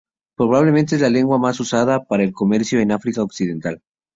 Probablemente es la lengua más usada para el comercio en África Occidental.